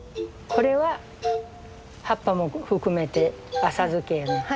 これは葉っぱも含めて浅漬けやね。